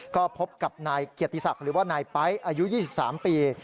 ก็พบกับนายเกียรติศักดิ์หรือว่านายไป๊อายุ๒๓ปี